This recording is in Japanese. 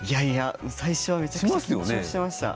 最初はめちゃくちゃ緊張していました。